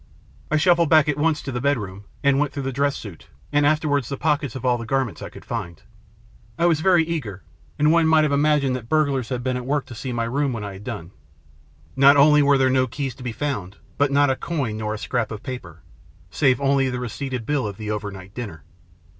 I shuffled back at once to STORY OF THE LATE MR. ELVESHAM 67 the bedroom, and went through the dress suit, and afterwards the pockets of all the garments I could find. I was very eager, and one might have imagined that burglars had been at work, to see my room when I had done. Not only were there no keys to be found, but not a coin, nor a scrap of paper save only the receipted bill of the overnight dinner.